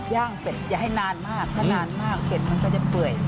ย่างเป็ดจะให้นานมากถ้านานมากเป็ดมันก็จะเปื่อย